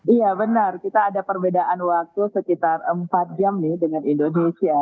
iya benar kita ada perbedaan waktu sekitar empat jam nih dengan indonesia